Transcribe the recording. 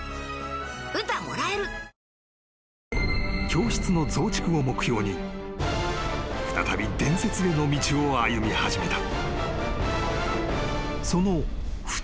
［教室の増築を目標に再び伝説への道を歩み始めた］